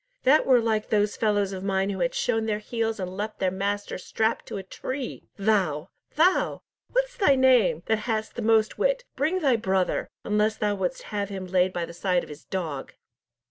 "That were like those fellows of mine who have shown their heels and left their master strapped to a tree! Thou! thou! what's thy name, that hast the most wit, bring thy brother, unless thou wouldst have him laid by the side of his dog."